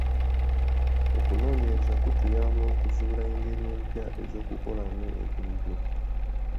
Okunoonyereza kutuyamba okuzuula engeri empya ez'okukolamu ebintu.